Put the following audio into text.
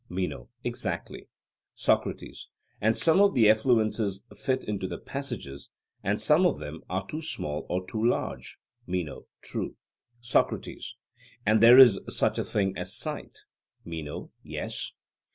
MENO: Exactly. SOCRATES: And some of the effluences fit into the passages, and some of them are too small or too large? MENO: True. SOCRATES: And there is such a thing as sight? MENO: Yes.